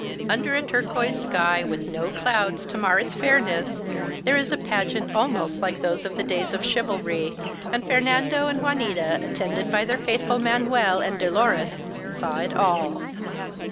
Under a turquoise sky, with no clouds to mar its fairness, there is a pageant almost like those of the days of chivalry, and Fernando and Juanita, attended by their faithful Manuel and Dolores, saw it all.